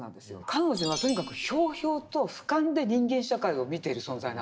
彼女はとにかくひょうひょうと俯瞰で人間社会を見ている存在なんですよ。